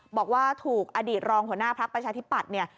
บอกว่าถูกอดีตรองหัวหน้าพักประชาธิปัตย์เนี่ย